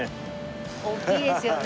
大きいですよね。